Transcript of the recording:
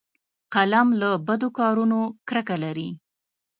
قلم له بدو کارونو کرکه لري